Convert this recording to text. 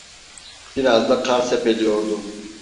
Biraz da kar sepeliyordu…